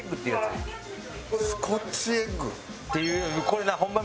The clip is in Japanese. スコッチエッグ？っていうこれなホンマ